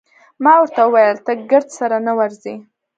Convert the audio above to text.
ما ورته وویل: ته ګرد سره نه ورځې؟